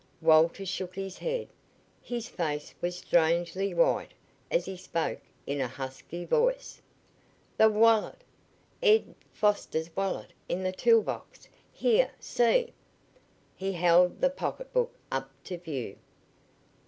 Walter shook his head. His face was strangely white as he spoke in a husky voice: "The wallet! Ed Foster's wallet in the tool box here see!" He held the pocketbook up to view.